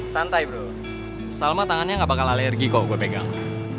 santai bro salma tangannya gak bakal alergi kok gue pegang